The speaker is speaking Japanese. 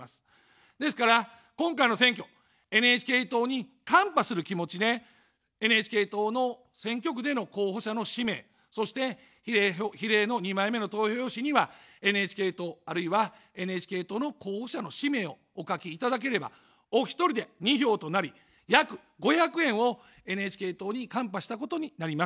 ですから、今回の選挙、ＮＨＫ党にカンパする気持ちで、ＮＨＫ党の選挙区での候補者の氏名、そして比例の２枚目の投票用紙にはＮＨＫ党、あるいはＮＨＫ党の候補者の氏名をお書きいただければ、お一人で２票となり、約５００円をＮＨＫ党にカンパしたことになります。